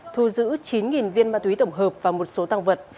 thu giữ chín viên ma túy tổng hợp và một số tăng vật